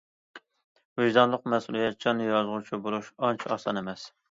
ۋىجدانلىق، مەسئۇلىيەتچان يازغۇچى بولۇش ئانچە ئاسان ئەمەس.